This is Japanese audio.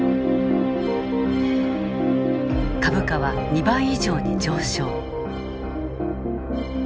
株価は２倍以上に上昇。